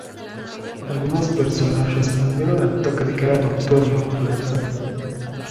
Algunos personas respondieron al toque de queda nocturno lanzando piedras.